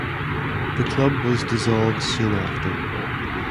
The club was dissolved soon after.